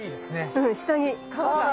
うん下に川が。